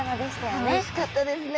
おいしかったですね！